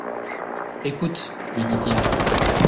Écoute, lui dit-il.